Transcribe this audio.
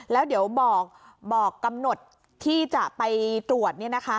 แล้วเดี๋ยวบอกกำหนดที่จะไปตรวจ